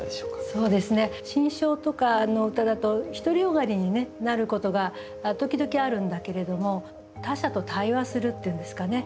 そうですね心象とかの歌だと独りよがりになることが時々あるんだけれども他者と対話するっていうんですかね